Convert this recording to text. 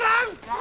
あ。